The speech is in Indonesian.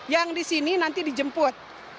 yang di sini nanti dijemput